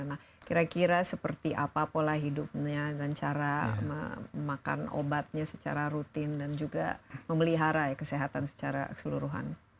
nah kira kira seperti apa pola hidupnya dan cara memakan obatnya secara rutin dan juga memelihara kesehatan secara keseluruhan